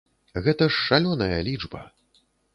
Гэта ж шалёная лічба.